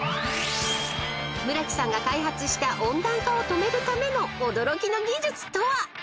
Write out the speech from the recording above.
［村木さんが開発した温暖化を止めるための驚きの技術とは］